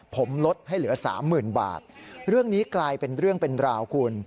ผมลดให้เหลือสามหมื่นบาทเรื่องนี้กลายเป็นเรื่องเป็นราวคุณ